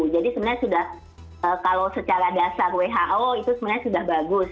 jadi sebenarnya sudah kalau secara dasar who itu sebenarnya sudah bagus